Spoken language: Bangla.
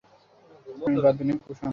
আমি বাধ্য নই, প্রশান্ত।